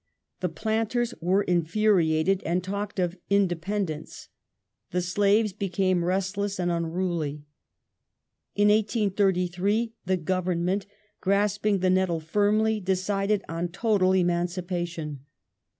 The planters were infuriated and talked of "independence"; the slaves became restless and unruly. In 1833 the Government, grasping the nettle firmly, decided on total emancipation.